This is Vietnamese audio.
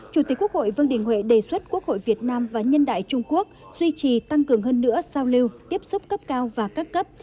chủ tịch quốc hội vương đình huệ đề xuất quốc hội việt nam và nhân đại trung quốc duy trì tăng cường hơn nữa giao lưu tiếp xúc cấp cao và các cấp